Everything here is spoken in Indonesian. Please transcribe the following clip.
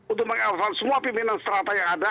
untuk mengelola semua pimpinan serata yang ada